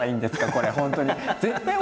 これ本当に。